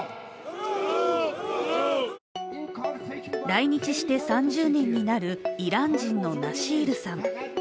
来日して３０年になるイラン人のナシールさん。